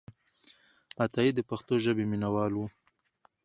عطایي د پښتو ژبې مینهوال و.